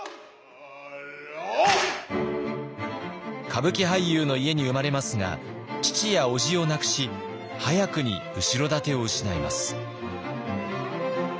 歌舞伎俳優の家に生まれますが父やおじを亡くし早くに後ろ盾を失います。